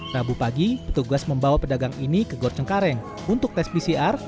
rabu pagi petugas membawa pedagang ini ke gor cengkareng untuk tes pcr